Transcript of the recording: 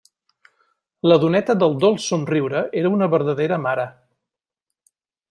La doneta del dolç somriure era una verdadera mare.